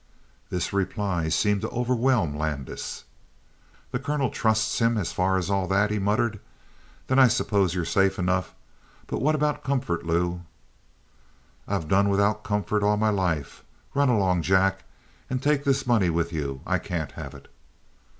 This reply seemed to overwhelm Landis. "The colonel trusts him as far as all that?" he muttered. "Then I suppose you're safe enough. But what about comfort, Lou?" "I've done without comfort all my life. Run along, Jack. And take this money with you. I can't have it."